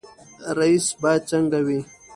رئیس باید څنګه وي؟